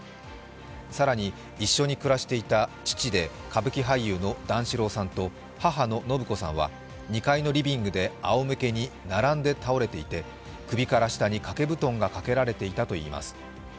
更に、一緒に暮らしていた父で歌舞伎俳優の段四郎さんと母の延子さんは２階のリビングであおむけに並んで倒れていて首から下に掛け布団が掛けられていたといいます。